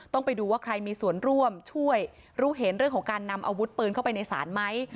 ต้องไปดูว่าใครมีส่วนร่วมช่วยรู้เห็นเรื่องของการนำอาวุธปืนเข้าไปในศาลไหม